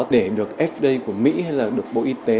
để được fda của mỹ hay là được bộ y tế